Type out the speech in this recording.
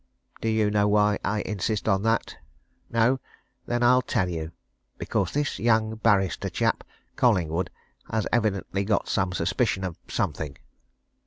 Do you know why I insist on that? No? Then I'll tell you. Because this young barrister chap, Collingwood, has evidently got some suspicion of something."